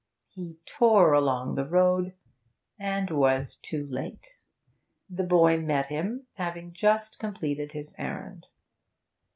He tore along the road and was too late. The boy met him, having just completed his errand.